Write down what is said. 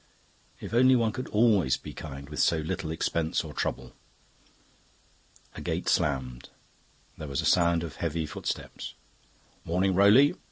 If only one could always be kind with so little expense or trouble..." A gate slammed; there was a sound of heavy footsteps. "Morning, Rowley!"